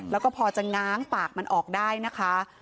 แล้วก็พอจะง้างปากมันออกได้นะคะ